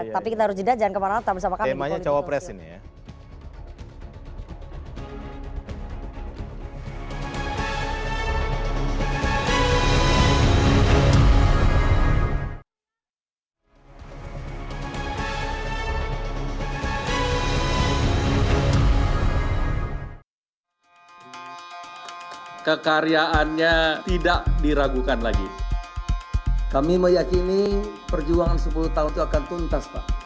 tapi kita harus jeda jangan kemana mana